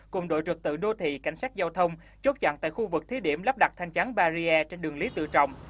cùng đội trực tự đô thị cảnh sát giao thông chốt chặn tại khu vực thí điểm lắp đặt thanh chắn barrier trên đường lý tự trọng